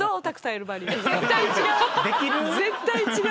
絶対違う。